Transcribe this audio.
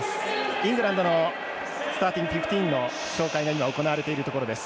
イングランドのスターティングフィフティーンが紹介されています。